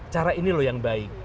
cara ini loh yang baik